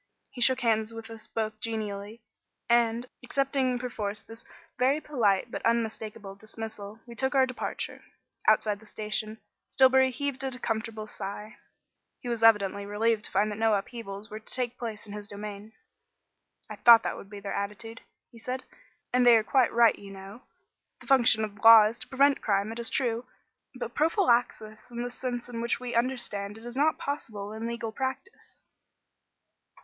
He shook hands with us both genially, and, accepting perforce this very polite but unmistakable dismissal, we took our departure. Outside the station, Stillbury heaved a comfortable sigh. He was evidently relieved to find that no upheavals were to take place in his domain. "I thought that would be their attitude," he said, "and they are quite right, you know. The function of law is to prevent crime, it is true; but prophylaxis in the sense in which we understand it is not possible in legal practice."